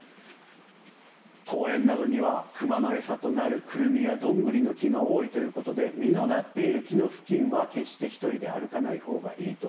公園などには熊の餌となるクルミやドングリの木が多いということで実のなっている木の付近は決して１人で歩かないほうがいいと。